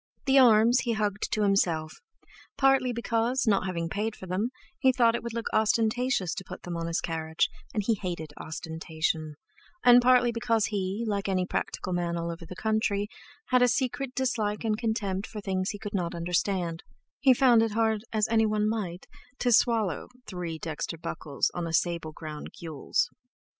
The arms he hugged to himself, partly because, not having paid for them, he thought it would look ostentatious to put them on his carriage, and he hated ostentation, and partly because he, like any practical man all over the country, had a secret dislike and contempt for things he could not understand he found it hard, as anyone might, to swallow "three dexter buckles on a sable ground gules."